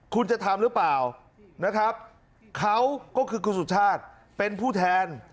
คุณจะทำหรือเปล่านะครับเขาก็คือคุณสุชาติเป็นผู้แทน